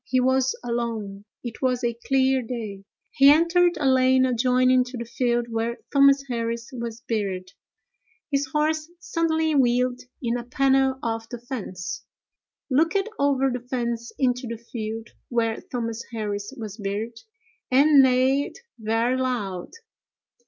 He was alone: it was a clear day. He entered a lane adjoining to the field where Thomas Harris was buried. His horse suddenly wheeled in a panel of the fence, looked over the fence into the field where Thomas Harris was buried, and neighed very loud.